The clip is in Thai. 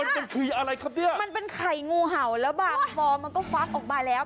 มันคืออะไรครับเนี่ยมันเป็นไข่งูเห่าแล้วบางฟอมันก็ฟักออกมาแล้ว